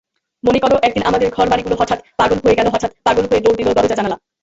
মনে করো, একদিন আমাদের ঘরবাড়িগুলোহঠাৎ পাগল হয়ে গেলহঠাৎ পাগল হয়ে দৌড় দিল দরোজা-জানালা।